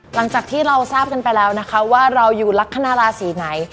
หลังจากที่เราทราบกันไปแล้วนะคะว่าเราอยู่ลักษณะราศีไหน